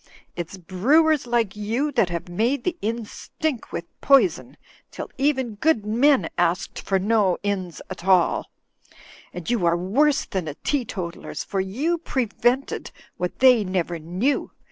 It's brewers like you that have made the inns stink with poison, till even good men asked for no inns at all. And you are worse than the teetotalers, for you prevented what they never knew.